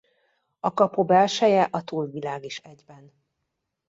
A kapu belseje a túlvilág is egyben.